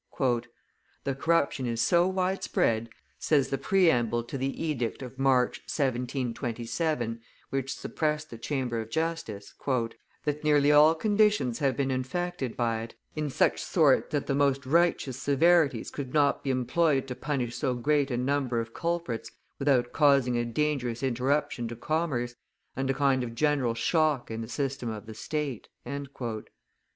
"The corruption is so wide spread," says the preamble to the edict of March, 1727, which suppressed the Chamber of Justice, "that nearly all conditions have been infected by it in such sort that the most righteous severities could not be employed to punish so great a number of culprits without causing a dangerous interruption to commerce, and a kind of general shock in the system of the state."